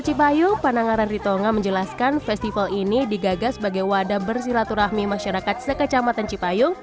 cipayu panangaran ritonga menjelaskan festival ini digaga sebagai wadah bersilaturahmi masyarakat sekecamatan cipayu